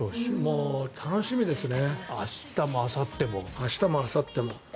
もう楽しみですね。